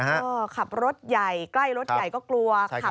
ก็ขับรถใหญ่ใกล้รถใหญ่ก็กลัวขับ